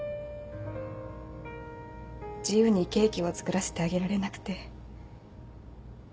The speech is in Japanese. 自由にケーキを作らせてあげられなくて。